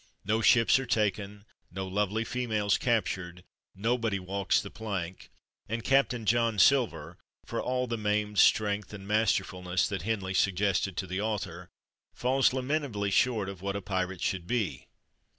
No ships are taken, no lovely females captured, nobody walks the plank, and Captain John Silver, for all the maimed strength and masterfulness that Henley suggested to the author, falls lament ably short of what a pirate should be.